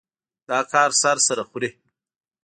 دا کار سر سره خوري.